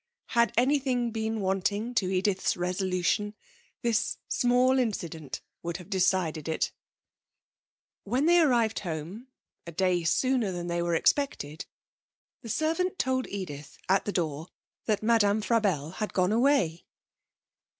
Had anything been wanting to Edith's resolution this small incident would have decided it. When they arrived home, a day sooner than they were expected, the servant told Edith at the door that Madame Frabelle had gone away.